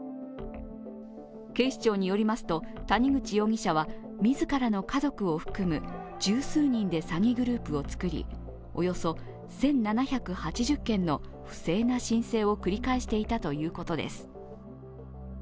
警視庁によりますと、谷口容疑者は自らの家族を含む十数人で詐欺グループを作りおよそ１７８０件の不正な申請を繰り返していたということです。